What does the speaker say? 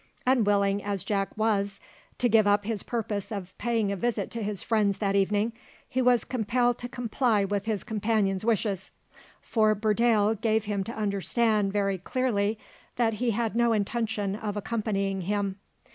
Unwilling as Jack was to give up his purpose of paying a visit to his friends that evening, he was compelled to comply with his companion's wishes, for Burdale gave him to understand very clearly that he had no intention of accompanying him.